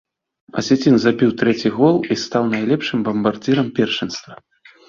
Асецін забіў трэці гол і стаў найлепшым бамбардзірам першынства.